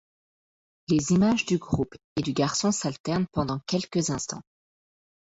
Les images du groupe et du garçon s'alternent pendant quelques instants.